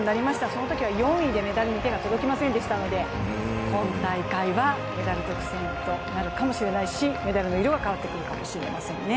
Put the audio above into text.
そのときは４位でメダルに手が届きませんでしたので、今大会はメダル独占となるかもしれないし、メダルの色が変わってくるのかもしれませんね。